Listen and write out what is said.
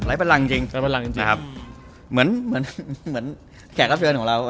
บันรังจริงจริงไร้บันลังจริงจริงครับเหมือนเหมือนเหมือนแขกรับเชิญของเรา